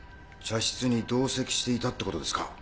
茶室に同席していたってことですか？